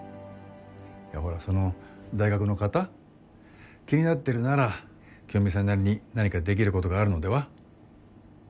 いやほらその大学の方気になってるなら清美さんなりに何かできることがあるのでは？